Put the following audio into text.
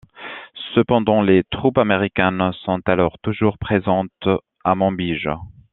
Cependant les troupes américaines sont alors toujours présentes à Manbij.